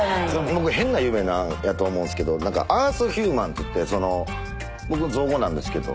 僕変な夢なんやと思うんですけどなんかっていって僕の造語なんですけど。